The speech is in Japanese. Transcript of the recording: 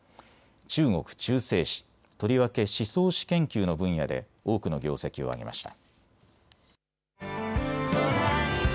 中国中世史、とりわけ思想史研究の分野で多くの業績を上げました。